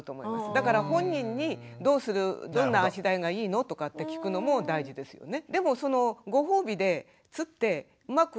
だから本人に「どうする？どんな足台がいいの？」とかって聞くのも大事ですよね。